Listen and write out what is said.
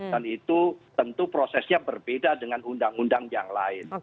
dan itu tentu prosesnya berbeda dengan undang undang yang lain